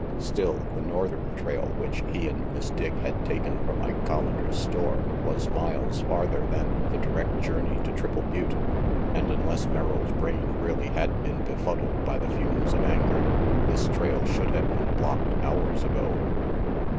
Still, the northern trail which he and Miss Dick had taken from Ike Collander's store was miles farther than the direct journey to Triple Butte, and RANGY PETE 325 unless Merrill's brain really had been befuddled by the fumes of anger, this trail should have been blocked hours ago.